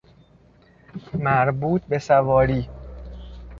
مربوط بسواری